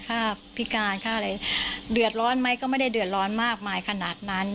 ค่าพิการค่าอะไรเดือดร้อนไหมก็ไม่ได้เดือดร้อนมากมายขนาดนั้น